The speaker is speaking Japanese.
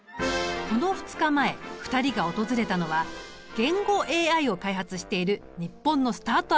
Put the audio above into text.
この２日前２人が訪れたのは言語ＡＩを開発している日本のスタートアップ企業。